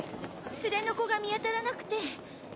連れの子が見当たらなくて。